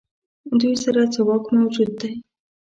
دوی سره څه واک موجود دی.